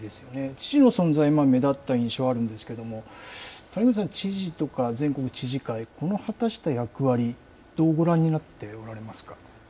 知事の存在も目立った印象あるんですけれども、谷口さん、知事とか全国知事会、この果たした役割、どうご覧になっておられますか。